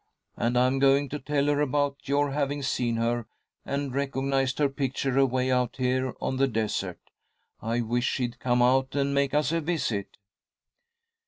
And I'm going to tell her about your having seen her, and recognized her picture away out here on the desert. I wish she'd come out and make us a visit."